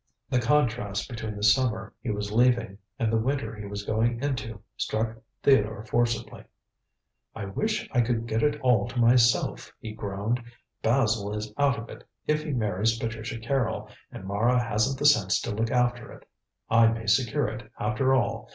The contrast between the summer he was leaving and the winter he was going into struck Theodore forcibly. "I wish I could get it all to myself," he groaned. "Basil is out of it if he marries Patricia Carrol, and Mara hasn't the sense to look after it. I may secure it, after all.